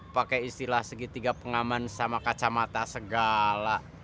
pakai istilah segitiga pengaman sama kacamata segala